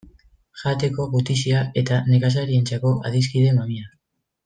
Jateko gutizia eta nekazariarentzako adiskide mamia.